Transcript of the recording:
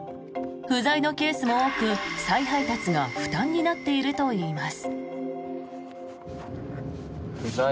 不在のケースも多く、再配達が負担になっているといいます。